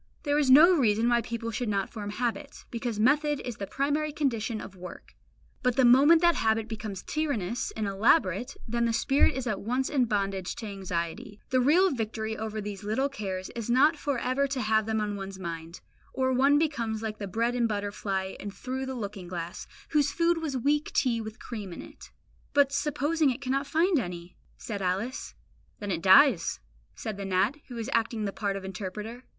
There is no reason why people should not form habits, because method is the primary condition of work; but the moment that habit becomes tyrannous and elaborate, then the spirit is at once in bondage to anxiety. The real victory over these little cares is not for ever to have them on one's mind; or one becomes like the bread and butter fly in Through the Looking Glass, whose food was weak tea with cream in it. "But supposing it cannot find any?" said Alice. "Then it dies," says the gnat, who is acting the part of interpreter.